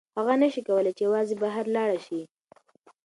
هغه نشي کولی چې یوازې بهر لاړه شي.